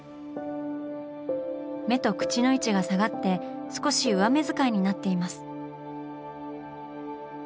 目と口の位置が下がって少し上目使いになっています。